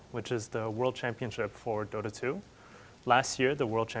yang merupakan pertandingan dunia untuk dota dua